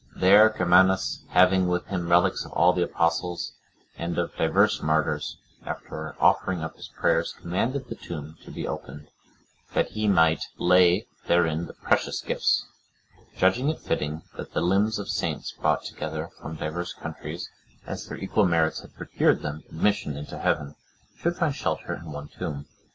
There Germanus, having with him relics of all the Apostles, and of divers martyrs, after offering up his prayers, commanded the tomb to be opened, that he might lay therein the precious gifts; judging it fitting, that the limbs of saints brought together from divers countries, as their equal merits had procured them admission into heaven, should find shelter in one tomb.